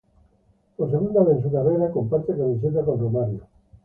Por segunda vez en su carrera comparte camiseta con Romário.